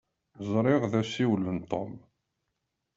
Ẓriɣ d asiwel n Tom.